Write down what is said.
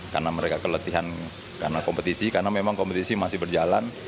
karena mereka keletihan karena kompetisi karena memang kompetisi masih berjalan